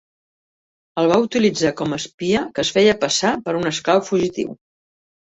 El va utilitzar com a espia que es feia passar per un esclau fugitiu.